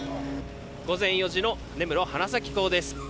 午前４時の根室・花咲港です。